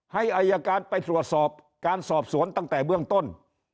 ให้อายการไปตรวจสอบการสอบสวนตั้งแต่เบื้องต้น